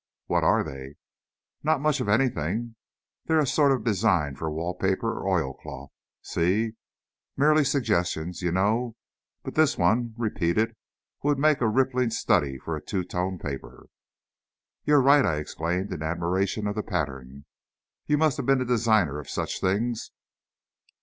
"What are they?" "Not much of anything. They're sort of designs for wall paper or oilcloth. See? Merely suggestions, you know, but this one, repeated, would make a ripping study for a two toned paper." "You're right," I exclaimed, in admiration of the pattern. "You must have been a designer of such things."